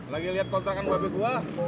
lagi liat kontrakan babi gua